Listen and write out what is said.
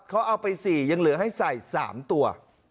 เขาเอาไป๔ยังเหลือให้ใส่๓ตัว